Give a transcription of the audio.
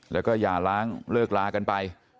แล้วก็อย่าล้างเลิกลากันไป